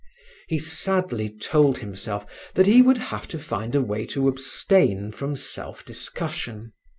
He sadly told himself that he would have to find a way to abstain from self discussion.